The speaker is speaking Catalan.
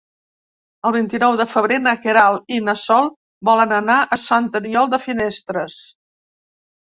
El vint-i-nou de febrer na Queralt i na Sol volen anar a Sant Aniol de Finestres.